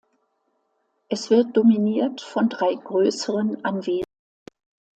Es wird dominiert von drei größeren Anwesen.